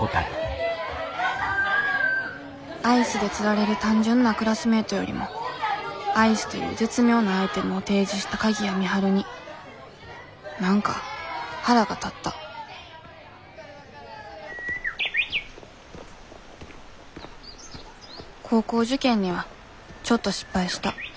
アイスで釣られる単純なクラスメートよりもアイスという絶妙なアイテムを提示した鍵谷美晴に何か腹が立った高校受験にはちょっと失敗した。